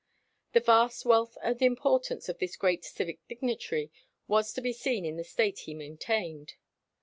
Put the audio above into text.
The vast wealth and importance of this great civic dignitary was to be seen in the state he maintained.